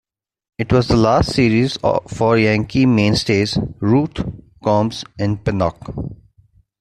It was the last Series for Yankee mainstays Ruth, Combs and Pennock.